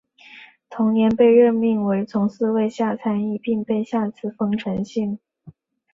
同年被任命为从四位下参议并被下赐丰臣姓。